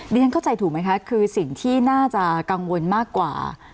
เรียนเข้าใจถูกไหมคะคือสิ่งที่น่าจะกังวลมากกว่า